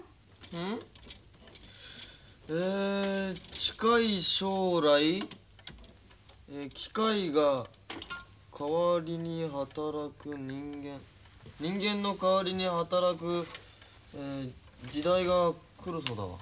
うん？え近い将来機械が代わりに働く人間人間の代わりに働く時代が来るそうだわ。